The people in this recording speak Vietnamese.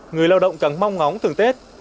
người lao động càng mong ngóng thưởng tết